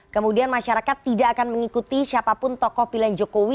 kemudian masyarakat tidak akan mengikuti siapapun tokoh pilihan jokowi